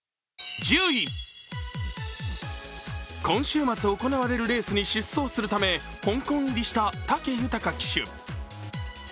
今週末行われるレースに出走するため香港入りした武豊騎手。